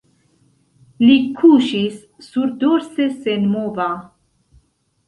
Li kuŝis surdorse senmova.